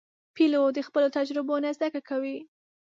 پیلوټ د خپلو تجربو نه زده کوي.